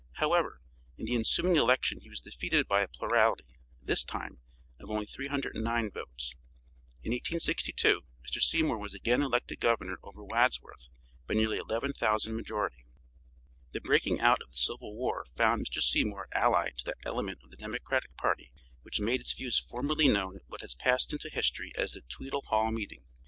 However, in the ensuing election he was defeated by a plurality, this time, of only 309 votes. In 1862 Mr. Seymour was again elected governor over Wadsworth by nearly 11,000 majority. The breaking out of the civil war found Mr. Seymour allied to that element of the Democratic party which made its views formally known at what has passed into history as the "Tweedle Hall" meeting.